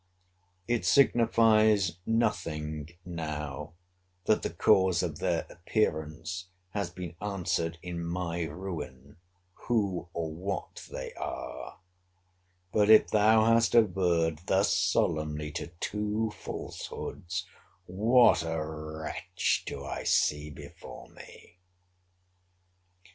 It signifies nothing now, that the cause of their appearance has been answered in my ruin, who or what they are: but if thou hast averred thus solemnly to two falsehoods, what a wretch do I see before me!